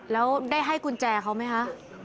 แล้วได้ให้กุญแจเขาไหมคะ